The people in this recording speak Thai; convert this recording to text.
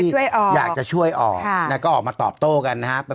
ช่วยออกอยากจะช่วยออกแล้วก็ออกมาตอบโต้กันนะฮะ